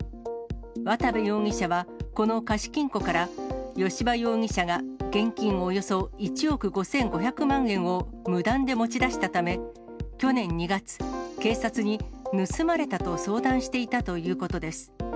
渡部容疑者はこの貸金庫から、吉羽容疑者が現金およそ１億５５００万円を無断で持ち出したため、去年２月、警察に盗まれたと相談していたということです。